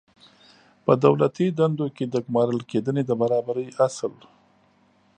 په دولتي دندو کې د ګمارل کېدنې د برابرۍ اصل